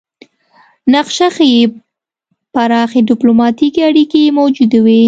نقشه ښيي پراخې ډیپلوماتیکې اړیکې موجودې وې